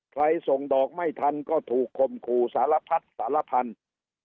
ส่งดอกไม่ทันก็ถูกคมขู่สารพัดสารพันธุ์